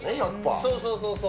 そうそうそうそう。